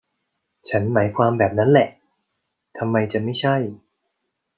ฉันหมายความแบบนั้นแหละ ทำไมจะไม่ใช่